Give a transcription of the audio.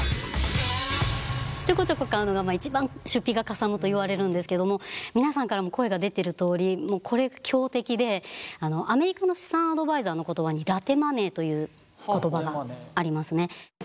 ちょこちょこ買うのが一番出費がかさむといわれるんですけども皆さんからも声が出てるとおりこれが強敵でアメリカの資産アドバイザーの言葉にラテマネーという言葉がありますね。